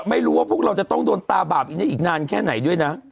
ไม่รู้ว่าพวกเราจะต้องโดนตาบาปอีกได้อีกนานแค่ไหนด้วยนะ